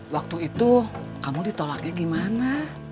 waktu itu kamu ditolaknya gimana